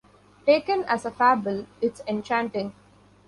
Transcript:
Taken as a fable, it's enchanting.